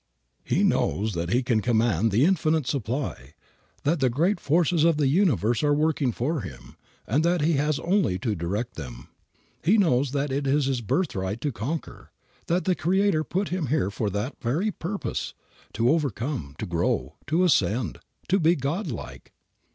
He knows that he can command infinite supply, that the great forces of the universe are working for him, and that he has only to direct them. He knows that it is his birthright to conquer; that the Creator put him here for that very purpose to overcome, to grow, to ascend, to be godlike.